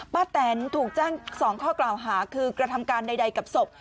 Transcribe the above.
แตนถูกแจ้ง๒ข้อกล่าวหาคือกระทำการใดกับศพ